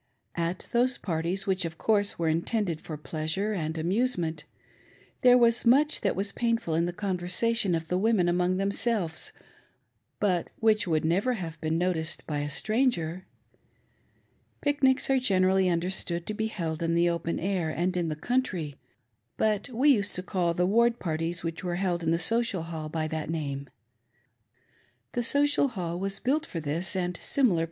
At those if)arties, which, of course, were intended for pleasure and ■ amusetaent, there was much that was painful in the conversation ' of the women among themselves, but which would never have been noticed by a stranger. Pic nics are generally understood to be held in the open air, and in the country ; but we used to call the ward parties which were held in the Social Hall by that name. The Social Hall was built "for this and similar ..